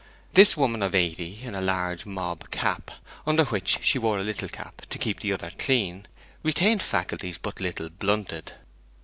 This woman of eighty, in a large mob cap, under which she wore a little cap to keep the other clean, retained faculties but little blunted.